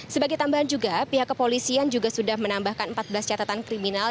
sebagai tambahan juga pihak kepolisian juga sudah menambahkan empat belas catatan kriminal